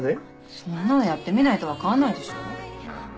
そんなのやってみないと分かんないでしょ？